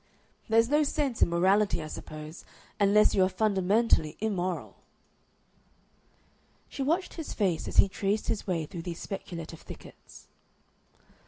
There's no sense in morality, I suppose, unless you are fundamentally immoral." She watched his face as he traced his way through these speculative thickets.